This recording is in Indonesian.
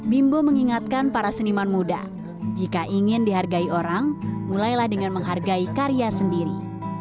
bimbo mengingatkan para seniman muda jika ingin dihargai orang mulailah dengan menghargai karya sendiri